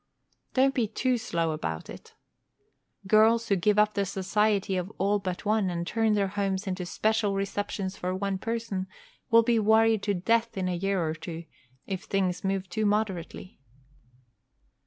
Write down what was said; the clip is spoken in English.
Don't be too slow about it. Girls who give up the society of all but one, and turn their homes into special receptions for one person, will be worried to death in a year or two, if things move too moderately.